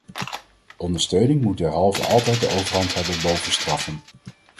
Ondersteuning moet derhalve altijd de overhand hebben boven straffen.